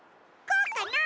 こうかな？